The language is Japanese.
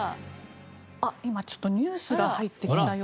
あっ今ちょっとニュースが入ってきたようで。